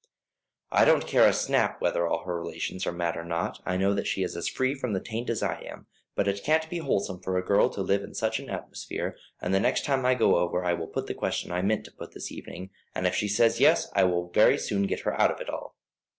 "I don't care a snap whether all her relations are mad or not. I know that she is as free from the taint as I am; but it can't be wholesome for a girl to live in such an atmosphere, and the next time I go over I will put the question I meant to put this evening, and if she says yes, I will very soon get her out of it all."